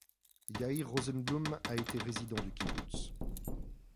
Yair Rosenblum a été résident du Kibboutz.